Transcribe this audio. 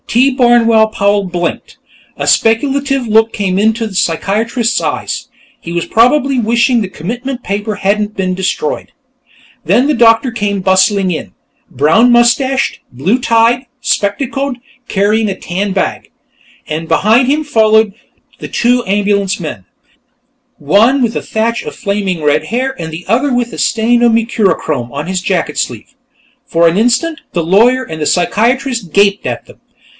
T. Barnwell Powell blinked. A speculative look came into the psychiatrist's eyes; he was probably wishing the commitment paper hadn't been destroyed. Then the doctor came bustling in, brown mustached, blue tied, spectacled, carrying a tan bag, and behind him followed the two ambulance men, one with a thatch of flaming red hair and the other with a stain of mercurochrome on his jacket sleeve. For an instant, the lawyer and the psychiatrist gaped at them.